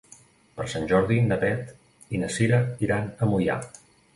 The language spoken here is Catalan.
Per Sant Jordi na Beth i na Cira aniran a Moià.